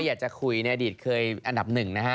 ไม่อยากจะคุยอดีตเคยอันดับ๑นะฮะ